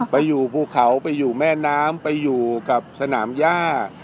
ไปอยู่ภูเขาไปอยู่แม่น้ำไปอยู่กับสนามย่า